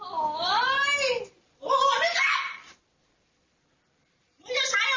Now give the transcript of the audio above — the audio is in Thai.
เฮ้ยอ๋อมีสามารถกันทำไมโอ้โฮโอ้โฮนึกได้